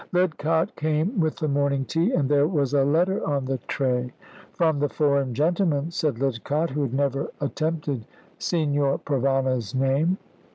Lidcott came with the morning tea, and there was a letter on the tray. "From the foreign gentleman," said Lidcott, who had never attempted Signor Provana's name.